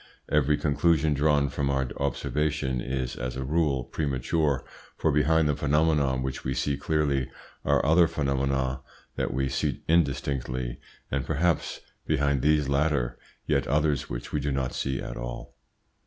Every conclusion drawn from our observation is, as a rule, premature, for behind the phenomena which we see clearly are other phenomena that we see indistinctly, and perhaps behind these latter, yet others which we do not see at all.